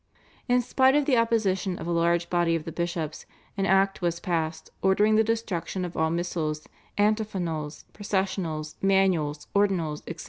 In spite of the opposition of a large body of the bishops, an Act was passed ordering the destruction of all missals, antiphonals, processionals, manuals, ordinals, etc.